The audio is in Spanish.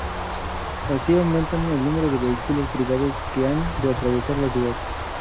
así aumentan el número de vehículos privados que han de atravesar la ciudad